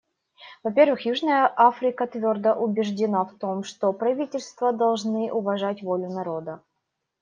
Во-первых, Южная Африка твердо убеждена в том, что правительства должны уважать волю народа.